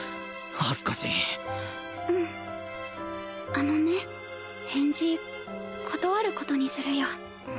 恥ずかしいうんあのね返事断ることにするよ